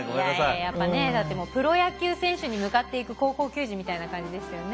いやいややっぱねだってもうプロ野球選手に向かっていく高校球児みたいな感じでしたよね。